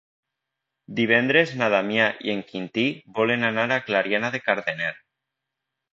Divendres na Damià i en Quintí volen anar a Clariana de Cardener.